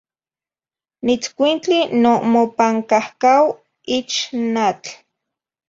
Nitzcuintli no mopancahcaua ich n atl.